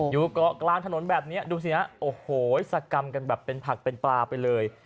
อยู่เกาะกลางถนนแบบนี้ดูสิฮะโอ้โหสกรรมกันแบบเป็นผักเป็นปลาไปเลย